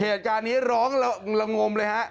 เหตุจารย์นี้ร้องลงมเลยครับ